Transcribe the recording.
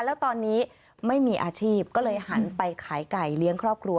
แล้วตอนนี้ไม่มีอาชีพก็เลยหันไปขายไก่เลี้ยงครอบครัว